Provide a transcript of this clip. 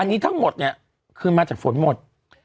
อันนี้ทั้งหมดเนี่ยคือมาจากฝนหมด